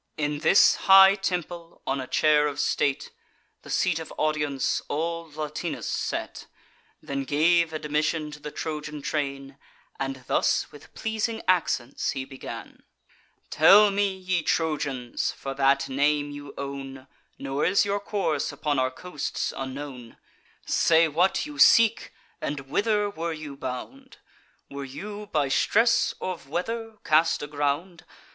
In this high temple, on a chair of state, The seat of audience, old Latinus sate; Then gave admission to the Trojan train; And thus with pleasing accents he began: "Tell me, ye Trojans, for that name you own, Nor is your course upon our coasts unknown; Say what you seek, and whither were you bound: Were you by stress of weather cast aground?